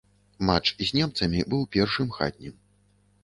Матч з немцамі быў першым хатнім.